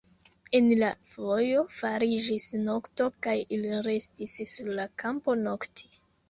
En la vojo fariĝis nokto, kaj ili restis sur la kampo nokti.